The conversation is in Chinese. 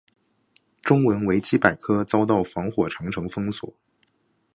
中文维基百科遭到防火长城封锁。